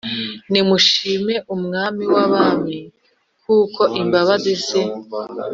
Nimushime Umwami w abami Kuko imbabazi ze